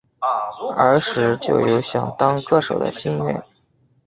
儿时就有想当歌手的心愿。